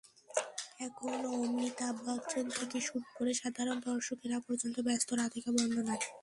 এখন অমিতাভ বচ্চন থেকে শুরু করে সাধারণ দর্শকেরা পর্যন্ত ব্যস্ত রাধিকা-বন্দনায়।